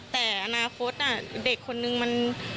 แต่อนาคตเด็กคนนึงมัน